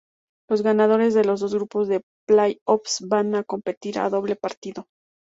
Los ganadores de los dos grupos de play-offs van a competir a doble partido.